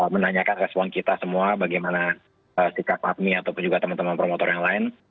menanyakan respon kita semua bagaimana sikap admi ataupun juga teman teman promotor yang lain